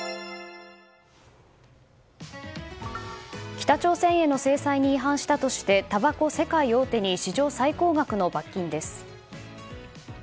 北朝鮮への制裁に違反したとしてたばこ世界最大手に史上最高額の罰金です。